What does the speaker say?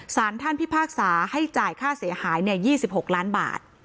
สารท่านพิพากษาให้จ่ายค่าเสียหาย๒๖ล้านบาท